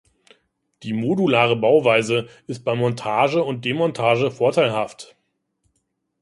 Die modulare Bauweise ist bei Montage und Demontage vorteilhaft.